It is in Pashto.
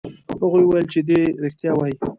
هغوی وویل چې دی رښتیا وایي.